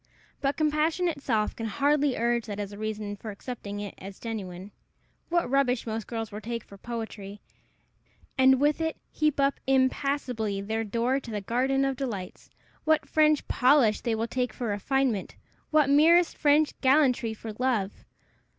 But compassion itself can hardly urge that as a reason for accepting it for genuine. What rubbish most girls will take for poetry, and with it heap up impassably their door to the garden of delights! what French polish they will take for refinement! what merest French gallantry for love!